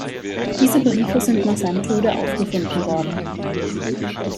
Diese Briefe sind nach seinem Tode aufgefunden worden.